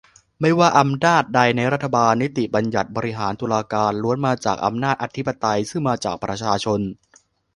ไม่ว่าอำนาจใดในรัฐบาล นิติบัญญัติ บริหาร ตุลาการ ล้วนมาจากอำนาจอธิปไตยซึ่งมาจากประชาชน